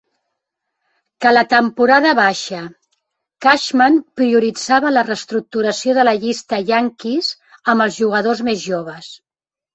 Que la temporada baixa, Cashman prioritzava la reestructuració de la llista Yankees amb els jugadors més joves.